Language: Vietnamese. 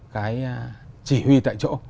cái chỉ huy tại chỗ